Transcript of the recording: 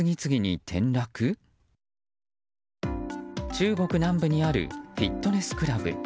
中国南部にあるフィットネスクラブ。